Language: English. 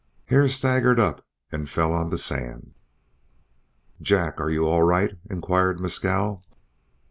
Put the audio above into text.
Hare staggered up and fell on the sand. "Jack, are you all right?" inquired Mescal.